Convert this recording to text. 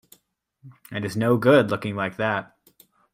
And it's no good looking like that.